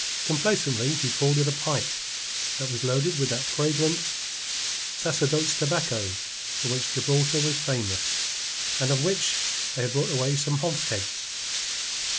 Complacently he pulled at a pipe that was loaded with that fragrant Sacerdotes tobacco for which Gibraltar was famous, and of which they had brought away some hogsheads.